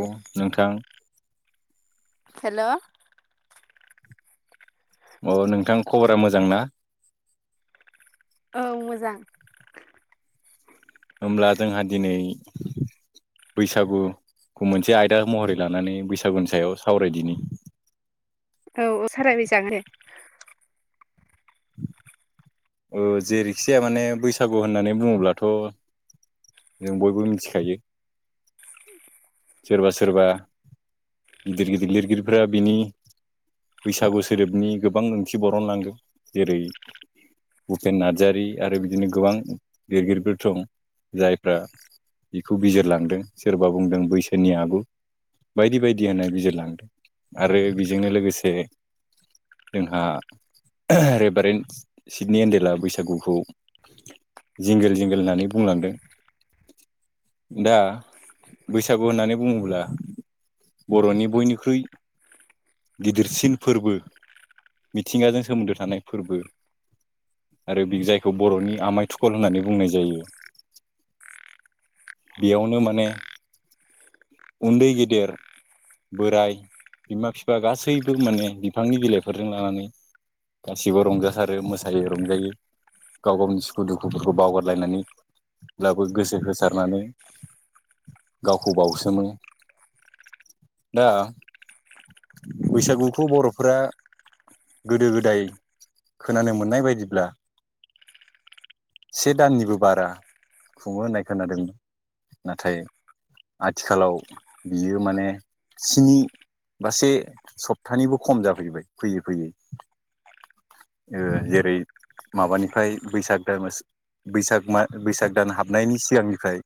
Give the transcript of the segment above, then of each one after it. औ नोंथां हेल' अ नोंथां खबरा मोजां ना औ मोजां होमब्ला जोंहा दिनै बैसागुखौ मोनसे आयदा महरै लानानै बैसागुनि सायाव सावरायदिनि [unintelligible] औ सावराय जागोन दे औ जेरैखिजाया माने बैसागु होननानै बुङोब्लाथ' जों बयबो मिथिखायो सोरबा सोरबा गिदिर गिदिर लिरगिरिफोरा बिनि बैसागु सोदोबनि गोबां ओंथि बरन लांदों जेरै भुपेन नार्जारि आरो बिदिनो गोबां लिरगिरिफोर दं जायफ्रा बेखौ बिजिरलांदों सोरबा बुंदों बैसो सोरनि आगु बायदि बायदि होननानै बिजिरलांदों आरो बेजोंनो लोगोसे जोंहा रेभारेण्ड सिडनि एन्डेला बैसागुखौ जिंगेल जिंगेल होननानै बुंलांदों दा बैस बैसागु होननानै बुङोब्ला बर'नि बयनिख्रुइ गिदिरसिन फोरबो मिथिंगाजों सोमोन्दो थानाय फोरबो आरो जायखौ बर'नि आमाय थुखल होननानै बुंनाय जायो बेयावनो माने उन्दै गेदेर बोराय बिमा बिफा गासैबो माने बिफांनि बिलाइफोरजों लानानै गासिबो रंजासारो मोसायो रंजायो गाव गावनि सुखु दुखुफोरखौ बावगारलायनानै ब्लाबो गोसो होसारनानै गावखौ बावसोमो दा बैसागुखौ बर'फोरा गोदो- गोदाय खोनानो मोननाय बायदिब्ला से दाननिबो बारा खुङो होननाय खोनादों नाथाय आथिखालाव बियो माने स्नि बा से सप्तानैबो खम जाफैबाय फैयै फैयै ओ जेरै माबानिफ्राय बैसाग दान बैसाग मा बैसाग दान हाबनायनि सिगांनिफ्राय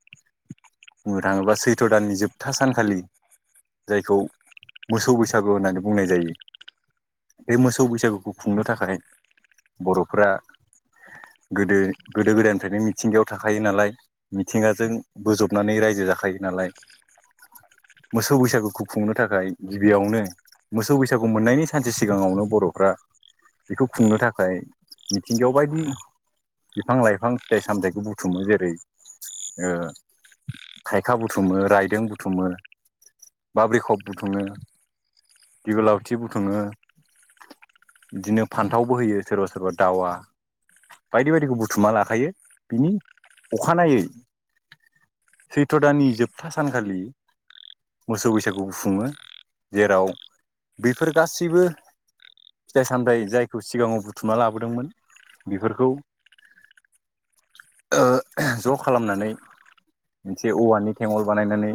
बुंनो थाङोबा सैथ्र' दाननि जोबथा सानखालि जायखौ मोसौ बैसागु होननानै बुंनाय जायो। बे मोसौ बैसागुखौ खुंनो थाखाय बर'फोरा गोदो गोदो -गोदायनिफ्रायनो मिथिंगायाव थाखायो नालाय मिथिंगाजों बोजबनानै रायजो जाखायो नालाय मोसौ बैसागुखौ खुंनो थाखाय गिबियावनो मोसौ बैसागु मोननायनि सानसे सिगाङावनो बर'फ्रा बेखौ खुंनो थाखाय मिथिंगायाव बायदि बिफां -लाइफां फिथाइ सामथायाइखौ बुथुमो जेरै ओ थायखा बुथुमो रायदों बुथुमो बाब्रिखब बुथुमो दिगलावथि बुथुमो बिदिनो फान्थावबो होयो सोरबा सोरबा दावा बायदि बायदिखौ बुथुमा लाखायो। बिनि अखानायै सैथ' दाननि जोबथा सानखालि मोसौ बैसागुखौ खुङो जेराव बेफोर गासिबो फिथाइ सामथाइ जायखौ सिगाङाव बुथुमना लाबोदोंमोन बेफोरखौ ओ ज' खालामनानै मोनसे औवानि थेेवल बानायनानै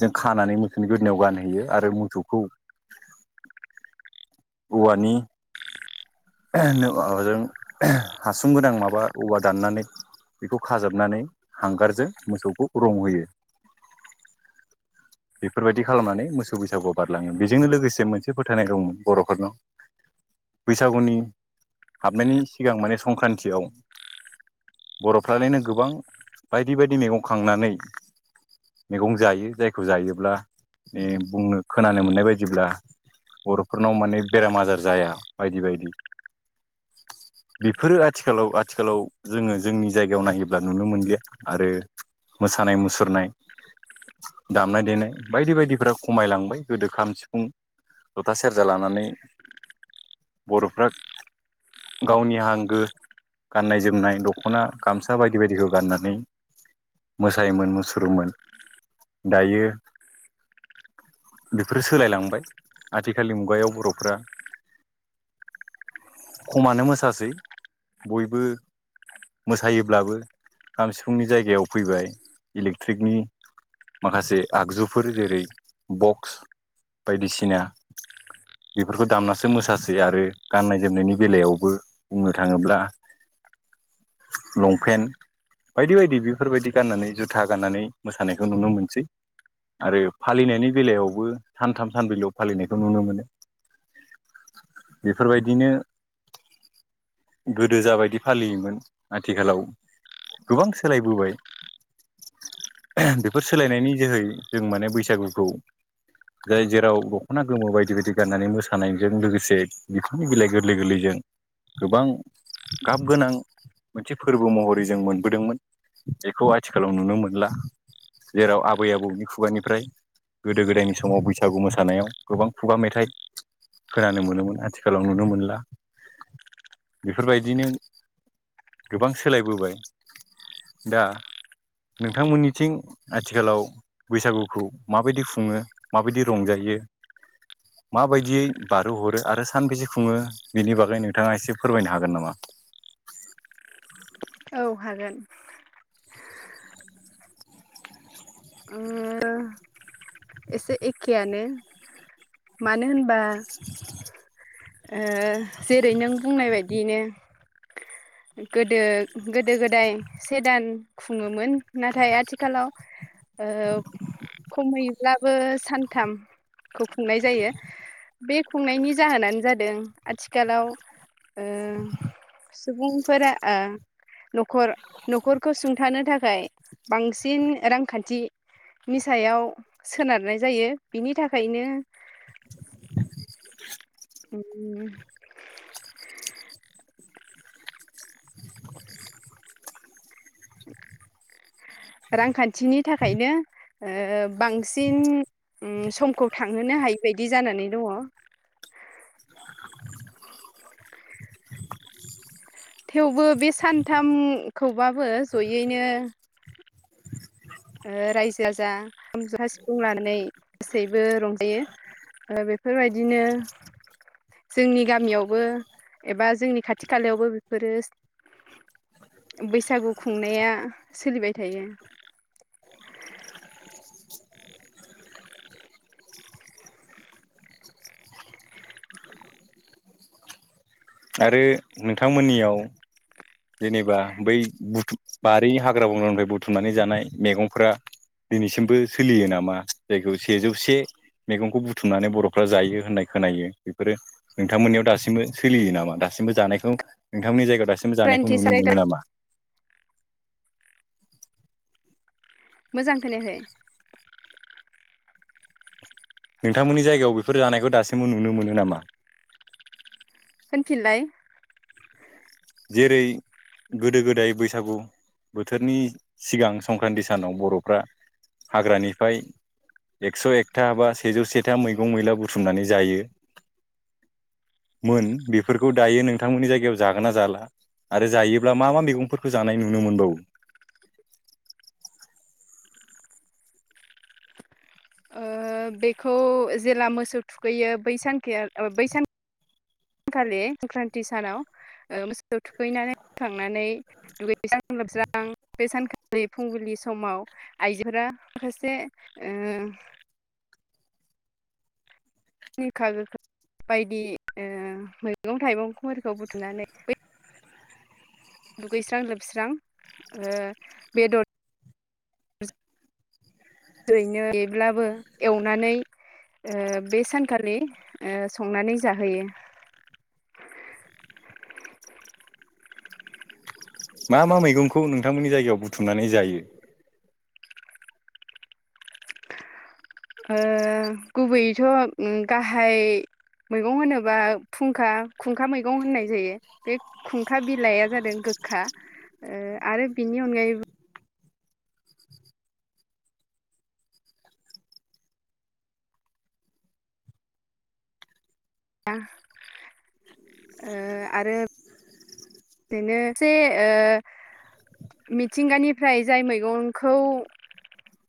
जों खानानै मोसौनि गोदोनायाव गानहैयो आरो मोसौखौ औवानि [unintelligible] माबाजों हासुं गोनां माबा औवा दाननानै बेखौ खाजाबनानै हांगारजों मोसौखौ रंहोयो। बेफोर बायदि खालामनानै मोसौ बैसागुआ बारलाङो बेजोंनो लोगोसे मोनसे फोथायनाय दंमोन बर'फोरनाव बैसागुनि हाबनायनि सिगां माने संक्रान्तियाव बर'फ्रालायनो गोबां बायदि बायदि मैगं खांनानै मैगं जायो जायखौ जायोब्ला माने बुंनो खोनानो मोननाय बायदिब्ला बर'फोरनाव माने बेराम आजार जाया बायदि बायदि। बेफोरो आथिखालाव आथिखालाव जोङो जोंनि जायगायाव नायोब्ला नुनो मोनलिया आरो मोसानाय मुसुरनाय दामनाय देनाय बायदि बायदिफोरा खमायलांबाय गोदो खाम, सिफुं जथा, सेरजा लानानै बर'फ्रा गावनि हांगो गाननाय जोमनाय दख'ना गामसा बायदि बायदिखौ गाननानै मोसायोमोन मुसुरोमोन। दायो बेफोरो सोलायलांबाय आथिखालनि मुगायाव बर'फ्रा खमानो मोसासै बयबो मोसायोब्लाबो खाम सिफुंनि जायगायाव फैबाय इलेक्ट्रिकनि माखासे आगजुफोर जेरै बक्स बायदिसिना बेफोरखौ दामनासो मोसाासै आरो गाननाय जोमनायनि बेलायावबो बुंनो थाङोब्ला लंपेन्ट बायदि बायदि बेफोर बायदि गाननानै जुथा गाननानै मोसानायखौ नुनो मोनसै। आरो फालिनायनि बेलायावबो सानथाम सानब्रैलु फालिनायखौ नुनो मोनो। बेफोर बायदिनो गोदो जाबादि फालियोमोन आथिखालाव गोबां सोलायबोबाय। बेफोर सोलायनायनि जोहै जों माने बैसागुखौ जाय जेराव दख'ना गोमो बायदि बायदि गाननानै मोसानायजों लोगोसे बिफोरनि बिलाइ गोरलै गोरलैजों गोबां गाब गोनां मोनसे फोरबो महरै जों मोनबोदोंमोन बेखौ आथिखालाव नुनो मोनला। जेराव आबै आबौनि खुगानिफ्राय गोदो गोदायनि समाव बैसागु मोसानायाव गोबां खुगा मेथाइ खोनानो मोनोमोन आथिखालाव नुनो मोनला। बेफोरबायदिनो गोबां सोलायबोबाय दा नोंथांमोननिथिं आथिखालाव बैसागुखौ माबायदि खुङो माबायदि रंजायो जे माबायदियै बारहो हरो आरो सानबेसे खुङो बेनि बागै नोंथाङा एसे फोरमायनो हागोन नामा? [inaudible] औ हागोन ओ एसे एखेआनो मानो होनबा ओ जेरै नों बुंनाय बायदियैनो गोदो गोदो गोदाय से दान खुङोमोन नाथाय आथिखालाव ओ खमैब्लाबो सानथाम खौ खुंनाय जायो बे खुंनायनि जाहोनानो जादों आथिखालाव ओ सुबुंफोरा ओ न'खर न'खरखौ सुंथानो थाखाय बांसिन रांखान्थि निसायाव सोनारनाय जायो बिनि थाखायनो [inaudible] उम [inaudible] रांखान्थिनि थाखायनो ओ बांसिन उ समखौ थांहोनो हायो बायदि जानानै दङ [inaudible] थेवबो बे सानथामखौबाबो जयैनो रायजो राजा खाम जथा सिफुं लानानै गासैबो रंजायो ओ बेफोरबायदिनो जोंनि गामियावबो एबा जोंनि खाथि खालायावबो बेफोरो बैसागु खुंनाया सोलिबाय थायो। आरो नोंथांमोननियाव जेनेबा बै बुथुम बारिनि हाग्रा बंग्रानिफ्राय बुथुमनानै जानाय मैगंफ्रा दिनैसिमबो सोलियो नामा जायखौ सेजौसे मैगंखौ बुथुमनानै बर'फ्रा जायो होननाय खोनायो बेफोरो नोंथांमोननियाव दासिमबो सोलियो नामा दासिम दासिमबो जानायखौ नोंथांमोननि जायगायाव दासिमबो जानायखौ नुनो मोनो मोजां नामा? मोजांखोनायाखै नोंथांमोननि जायगायाव बेफोर जानायखौ दासिमबो नुनो मोनो नामा? होनफिनलाय जेरै गोदो गोदाय बैसागु बोथोरनि सिगां संक्रान्ति सानाव बर'फ्रा हाग्रानिफ्राय एकस' एकथा बा सेजौ सेथा मैगं मैला बुथुमनानै जायो मोन बेफोरखौ दायो नोंथांमोननि जायगायाव जागोन ना अ जाला आरो जायोब्ला मा मा मैगंफोरखौ जानाय नुनो मोनबावो? [inaudible] ओ बेखौ जेला मोसौ थुखैयो बैसानखेया बैसान खालि संक्रान्ति सानाव मोसौखौ थुखैनानै फैखांनानै दुगैस्रां लोबस्रां बे सानखालि फुंबिलि समाव आइजोफोरा माखासे ओ [inaudible] गोखा गोखै बायदि मैगं थाइगंफोरखौ बुथुमनानै बै दुगैस्रां जोबस्रां ओ बेदर नो ब्लाबो एवनानै ओ बे सानखालि ओ संनानै जाहोयो। [inaudible] मा मा मैगंखौ नोंथांमोननि जायगायाव बुथुमनानै जायो। गुबैयैथ' गाहाय मैगं होनोबा फुंखा खुंखा मैगं होननाय जायो बे खुंखा बिलाइया जादों। खा आरो बिनि अनगायैबो आरो [unintelligible] बिदिनो जा मिथिंगानिफ्राय जाय मैगंखौ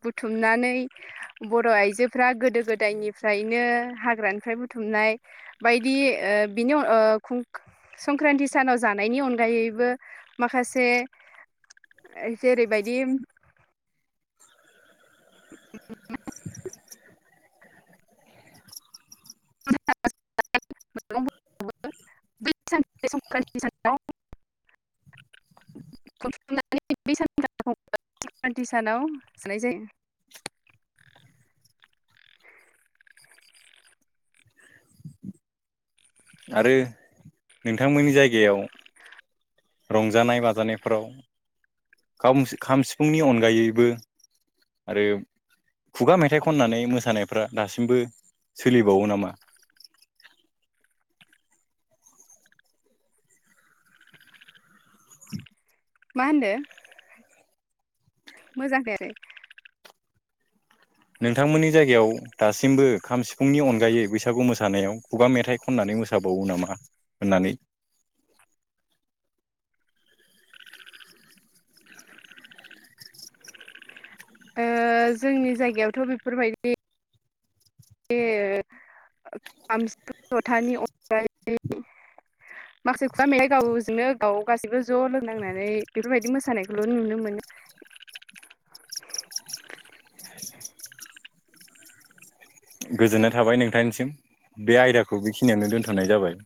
बुथुमनानै बर' आइजोफ्रा गोदो गोदायनिफ्रायनो हाग्रानिफ्राय मनाय बायदिनि संक्रान्ति सानाव जानाय नि अनगायैबो माखासे जेरबायायदि उम उम [unintelligible] [unintelligible] [inaudible] खनानै ब सानथि सानाव जानाय जायो। आरो नोंथांमोननि जायगायाव रंजानाय बाजानायफोराव खाम सिफुंनि अनगायैबो आरो खुगा मेथाइ खननानै मोसानायफ्रा दासिमबो सोलिबावो नामा मा होनदों मोजां फैयाखै नोंथांमोननि जायगायाव दासिमबो खाम सिफुंनि अनगायै बैसागु मोसानायाव खुगा मेथाइ खननानै मोावो नामा होननानै जोंनि जायगायावथ' बेफोरबायदि बिथांनि अनगायै [unintelligible] माखासे खुगाम मैाइ गावजोंनो गाव गासैबो ज' लोंनांनानै बेफोरबायदि मोसानायखौल' नुनो मोनो। [unintelligible] [unintelligible] गोजोननाय थाबाय नोंथांनिसिम बे आयदाखौ बेखिनियावनो दोनथ'नाय जाबाय